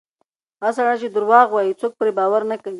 هغه سړی چې درواغ وایي، څوک پرې باور نه کوي.